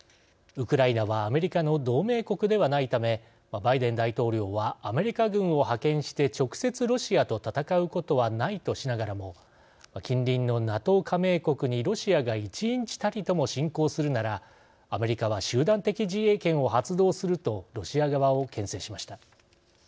ウクライナはアメリカの同盟国ではないためバイデン大統領は「アメリカ軍を派遣して直接ロシアと戦うことはない」としながらも近隣のＮＡＴＯ加盟国にロシアが一日たりとも侵攻するならアメリカは集団的自衛権を発動するとロシア側をけん制しました。